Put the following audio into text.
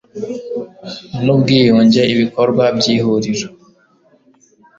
n Ubwiyunge Ibikorwa by Ihuriro